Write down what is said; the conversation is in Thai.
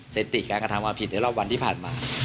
เศรษฐีการกระทั้งความผิดในรอบวันที่ผ่านมา